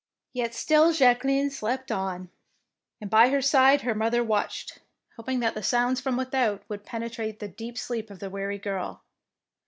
Yet still Jacqueline slept on, and by her side her mother watched, hoping 82 THE PEINCESS WINS that the sounds from without would penetrate the deep sleep of the weary girl.